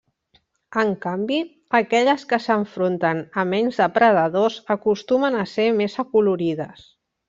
En canvi, aquelles que s'enfronten a menys depredadors, acostumen a ser més acolorides.